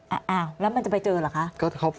อ่าแล้วมันจะไปเจอหรือครับ